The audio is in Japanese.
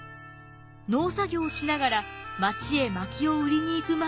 農作業をしながら町へまきを売りに行く毎日が始まります。